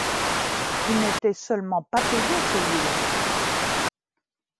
Il n'était seulement pas payé, celui-là !